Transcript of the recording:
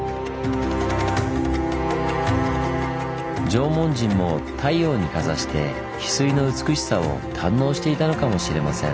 縄文人も太陽にかざしてヒスイの美しさを堪能していたのかもしれません。